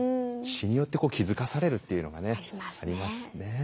詩によって気付かされるっていうのがねありますしね。